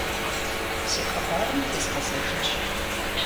Си хъыбарым тезгъэзэжынщ.